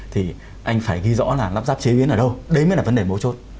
thì anh phải ghi rõ là lắp ráp chế biến ở đâu đấy mới là vấn đề mấu chốt